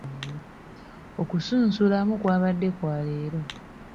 Okusunsulamu kwabadde kwa leero.